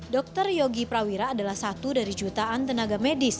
dr yogi prawira adalah satu dari jutaan tenaga medis